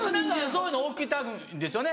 そういうの置きたいんですよね